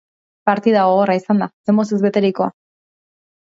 Partida gogorra izan da, emozioz beterikoa.